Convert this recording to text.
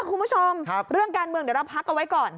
คุณผู้ชมเรื่องการเมืองเดี๋ยวเราพักเอาไว้ก่อน